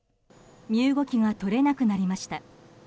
身動きが取れなくなりました。